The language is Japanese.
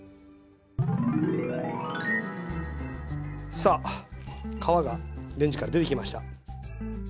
さあ皮がレンジから出てきました。